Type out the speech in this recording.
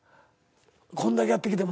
こんだけやってきても。